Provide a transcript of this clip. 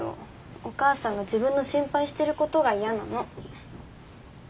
お母さんが自分の心配してることが嫌なの。